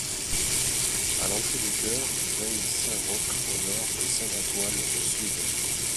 À l'entrée du chœur, veillent saint Roch au nord et saint Antoine au sud.